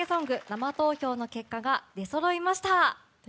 生投票の結果が出そろいました。